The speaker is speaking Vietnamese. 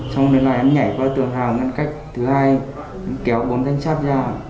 xong đến lại em nhảy qua tường hào ngăn cách thứ hai kéo bóng thanh sát ra